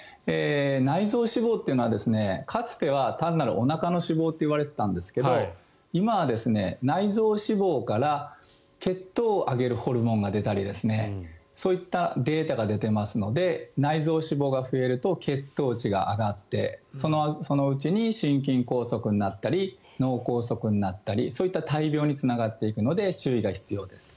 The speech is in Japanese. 内臓脂肪というのはかつては単なるおなかの脂肪って言われていたんですが今は内臓脂肪から血糖を上げるホルモンが出たりそういったデータが出ていますので内臓脂肪が増えると血糖値が上がってそのうちに心筋梗塞になったり脳梗塞になったりそういった大病につながっていくので注意が必要です。